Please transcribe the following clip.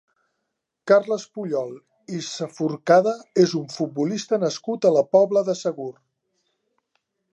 Carles Puyol i Saforcada és un futbolista nascut a la Pobla de Segur.